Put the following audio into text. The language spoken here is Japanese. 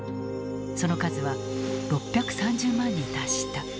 その数は６３０万に達した。